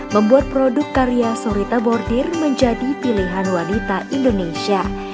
membuat produk karya sorita bordir menjadi pilihan wanita indonesia